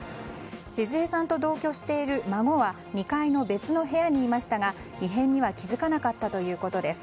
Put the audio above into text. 志壽江さんと同居している孫は２階の別の部屋にいましたが異変には気付かなかったということです。